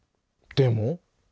でも？